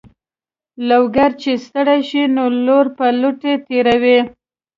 لوګری چې ستړی شي نو لور په لوټه تېروي.